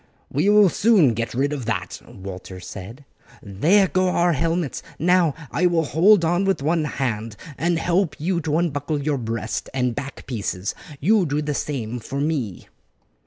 "We will soon get rid of that," Walter said. "There go our helmets; now I will hold on with one hand and help you to unbuckle your breast and back pieces; you do the same for me."